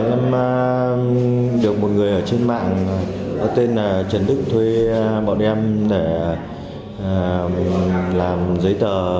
em được một người ở trên mạng tên là trần đức thuê bọn em để làm giấy tờ